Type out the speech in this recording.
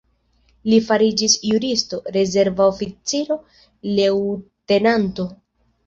Li fariĝis juristo, rezerva oficiro, leŭtenanto.